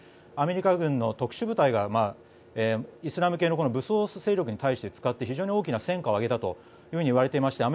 アメリカ軍の特殊部隊がイスラム系の武装勢力に対して使って非常に大きな戦果を上げたといわれています。